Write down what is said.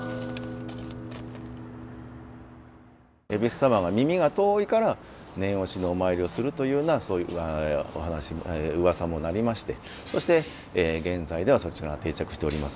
戎様は耳が遠いから念押しのお参りをするというようなそういううわさもなりましてそして現在ではそちらが定着しております。